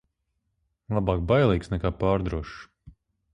Labāk bailīgs nekā pārdrošs.